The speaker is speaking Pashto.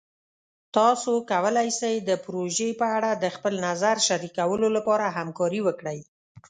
تاسو کولی شئ د پروژې په اړه د خپل نظر شریکولو لپاره همکاري وکړئ.